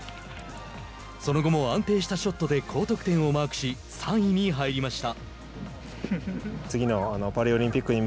その後も安定したショットで高得点をマークし３位に入りました。